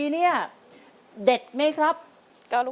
ดีใจเหรอ